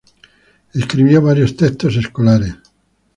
Escribió varios textos escolares.